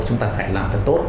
chúng ta phải làm thật tốt